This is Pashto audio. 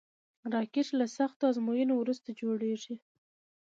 راکټ له سختو ازموینو وروسته جوړېږي